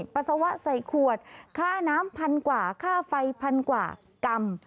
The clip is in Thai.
ปัสสาวะใส่ขวดค่าน้ำพันกว่าค่าไฟพันกว่ากรัม